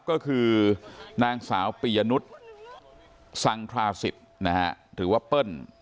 ก็คือนางสาวปียนุษย์สังทราศิษย์นะฮะหรือว่าเปิ้ล